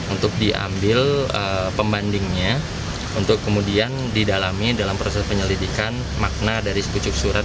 untuk diambil pembandingnya untuk kemudian didalami dalam proses penyelidikan makna dari sekucup surat